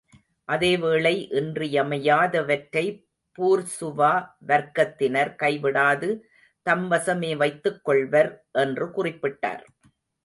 அதேவேளை இன்றியமையாதவற்றை பூர்சுவா வர்க்கத்தினர் கைவிடாது தம்வசமே வைத்துக்கொள்வர். என்று குறிப்பிட்டார்.